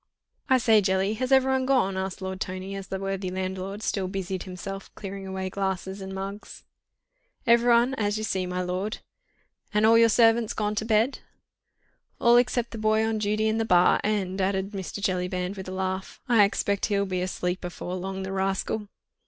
"I say, Jelly, has everyone gone?" asked Lord Tony, as the worthy landlord still busied himself clearing away glasses and mugs. "Everyone, as you see, my lord." "And all your servants gone to bed?" "All except the boy on duty in the bar, and," added Mr. Jellyband with a laugh, "I expect he'll be asleep afore long, the rascal."